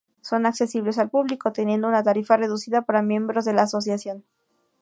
Son accesibles al público, teniendo una tarifa reducida para miembros de la asociación.